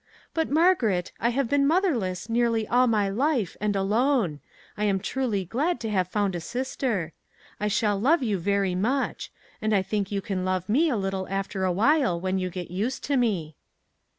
But, Margaret, I have been motherless nearly all my life and alone ; I am truly glad to have found a 406 "WHAT ELSE COULD ONE DO?" sister. I shall love you very much ; and I think you can love me a little after awhile, when you get used to me."